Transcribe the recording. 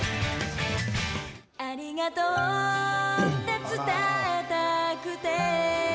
「“ありがとう”って伝えたくて」